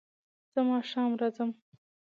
زه ماښام راځم